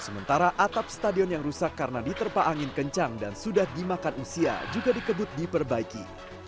sementara atap stadion yang rusak karena diterpa angin kencang dan sudah dimakan usia juga dikebut diperbaiki